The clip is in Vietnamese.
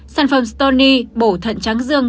sản phẩm stony bổ thận trắng dương